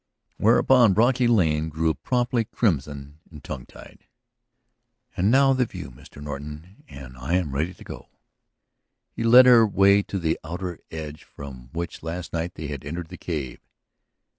Whereupon Brocky Lane grew promptly crimson and tongue tied. "And now the view, Mr. Norton, and I am ready to go." He led the way to the outer ledge from which last night they had entered the cave.